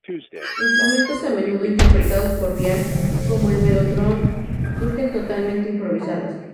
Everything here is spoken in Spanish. Instrumentos a menudo interpretados por Brian, como el mellotron, surgen totalmente improvisados.